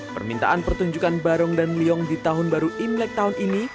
permintaan pertunjukan barong dan liong di tahun baru imlek tahun ini